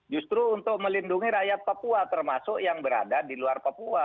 justru untuk melindungi rakyat papua termasuk yang berada di luar papua